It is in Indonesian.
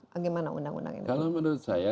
bagaimana undang undang ini menurut saya